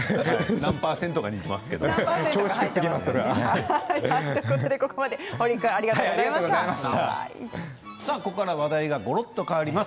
何％か似ていますけどここから話題が変わります。